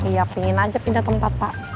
ya pengen aja pindah tempat pak